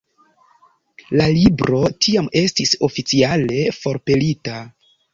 La libro tiam estis oficiale forpelita.